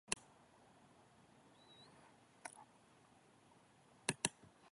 織田信長が今川義元を倒した。